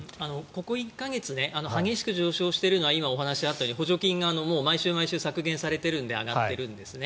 ここ１か月激しく上昇しているのは今、お話があったように補助金が毎週毎週削減されているので上がっているんですね。